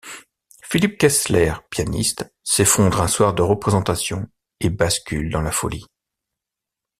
Philippe Kessler, pianiste, s'effondre un soir de représentation et bascule dans la folie.